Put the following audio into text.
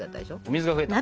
水が増えた。